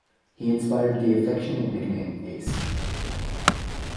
He inspired the affectionate nickname 'Ace'.